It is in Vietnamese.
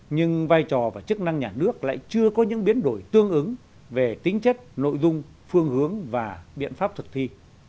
nhưng vai trò và chức năng nhà nước lại chưa có những biến đổi tương ứng về tính chất nội dung phương hướng và biện pháp thực thi